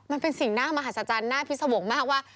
มันเป็นสิ่งน่ามหัศจรรย์หน้าพิษวงศ์มากว่า